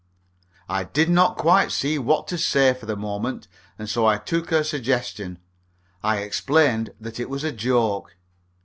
I did not quite see what to say for the moment, and so I took her suggestion. I explained that it was a joke.